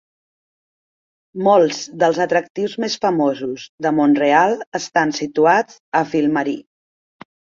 Molts dels atractius més famosos de Montreal estan situats a Ville-Marie.